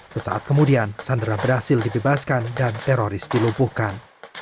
sesaat kemudian sandera berhasil dibebaskan dan teroris dilumpuhkan